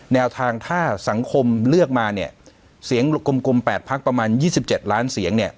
แนวทางถ้าสังคมเลือกมาเนี่ยเสียงกลม๘พักประมาณ๒๗ล้านเสียงเนี่ย